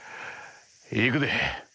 いくで。